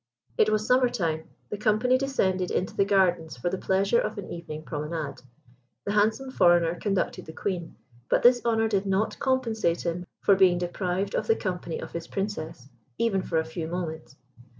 It was summer time; the company descended into the gardens for the pleasure of an evening promenade. The handsome foreigner conducted the Queen; but this honour did not compensate him for being deprived of the company of his Princess, even for a few moments.